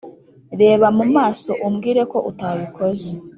reba mu maso umbwire ko utabikoze.